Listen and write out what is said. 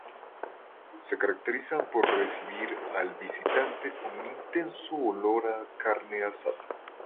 Se caracterizan por recibir al visitante con un intenso olor a carne asada.